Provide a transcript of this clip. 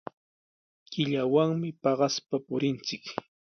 Killawanmi paqaspa purinchik.